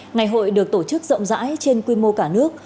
ngày hội được tổ chức rộng rãi trên quy mô cả nước